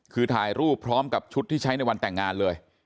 คือถ่ายรูปพร้อมกับชุดที่ใช้ในวันแต่งงานเลย